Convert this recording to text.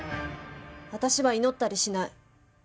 私は祈ったりしない。